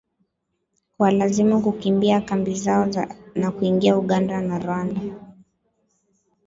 kuwalazimu kukimbia kambi zao na kuingia Uganda na Rwanda